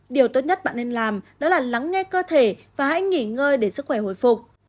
điều tốt nhất bạn nên làm đó là lắng nghe cơ thể và hãy nghỉ ngơi để sức khỏe hồi phục